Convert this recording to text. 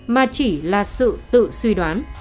mà chỉ là sự tự suy đoán